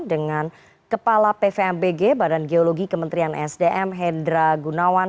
dengan kepala pvmbg badan geologi kementerian sdm hendra gunawan